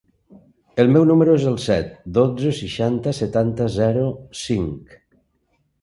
El meu número es el set, dotze, seixanta, setanta, zero, cinc.